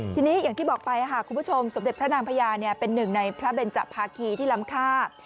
ทีนี้อย่างที่บอกไปคุณผู้ชมสมเด็จพระนางพญาเป็นหนึ่งในพระเบนจภาคีที่ล้ำค่า